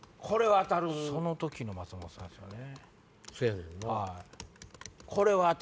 その時の松本さんですよね。